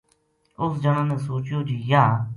اُس جنا نے سوچیو جی یاہ